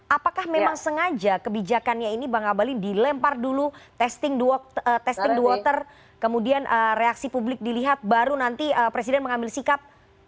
apakah memang sengaja kebijakannya ini bang abalin dilempar dulu testing the water kemudian reaksi publik dilihat baru nanti presiden mengambil sikap